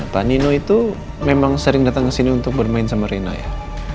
pak nino itu memang sering datang kesini untuk bermain sama rena ya